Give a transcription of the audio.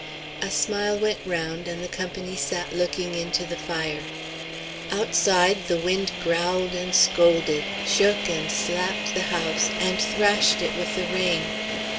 A smile went round, and the company sat looking into the fire. Outside the wind growled and scolded, shook and slapped the house, and thrashed it with the rain.